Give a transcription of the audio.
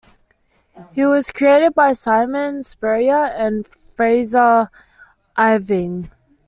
He was created by Simon Spurrier and Frazer Irving.